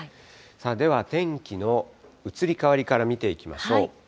では天気の移り変わりから見ていきましょう。